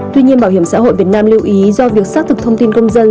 tuy nhiên bảo hiểm xã hội việt nam lưu ý do việc xác thực thông tin công dân